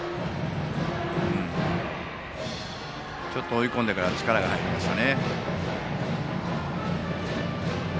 追い込んでから力が入りました。